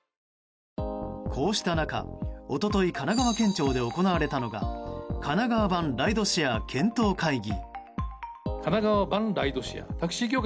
こうした中、一昨日神奈川県庁で行われたのが神奈川版ライドシェア検討会議。